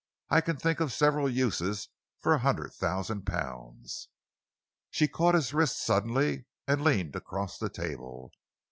I can think of several uses for a hundred thousand pounds." She caught his wrist suddenly and leaned across the table.